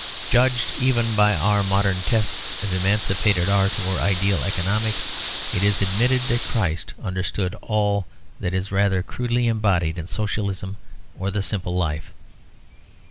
Judged even by our modern tests of emancipated art or ideal economics, it is admitted that Christ understood all that is rather crudely embodied in Socialism or the Simple Life.